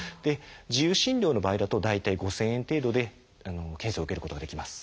自由診療の場合だと大体５，０００円程度で検査を受けることができます。